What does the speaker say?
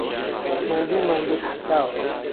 ماندووی ماندووت حهساوه